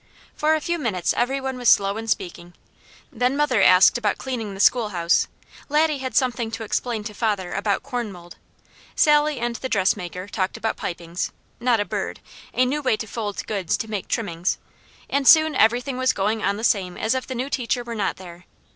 For a few minutes every one was slow in speaking, then mother asked about cleaning the schoolhouse, Laddie had something to explain to father about corn mould, Sally and the dressmaker talked about pipings not a bird a new way to fold goods to make trimmings, and soon everything was going on the same as if the new teacher were not there.